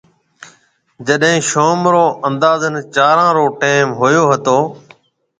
جڏي شوم رو اندازن چارون رو ٽيم هوئيو هتو۔